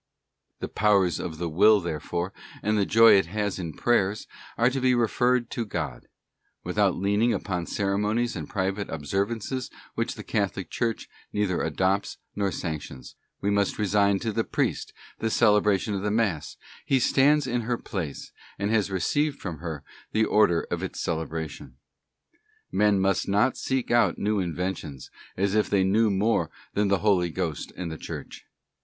f The powers of the will, therefore, and the joy it has in prayers, are to be referred to God: without leaning upon ceremonies and private observances which the Catholic Church neither adopts nor sanctions; we must resign to the priest the celebration of Mass, he stands in her place, and has received from her the order of its celebration. Men must not seek out new inventions, as if they knew more than the Holy Ghost and the Church.